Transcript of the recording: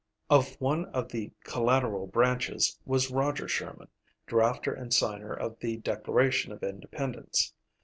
Of one of the collateral branches was Roger Sherman, drafter and signer of the Declaration of Independence.